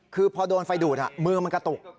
คือพอโดนไฟดูดมือมันกระตุก